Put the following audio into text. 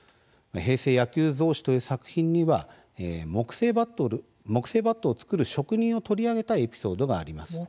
「平成野球草子」という作品には木製バットを作る職人を取り上げたエピソードがあります。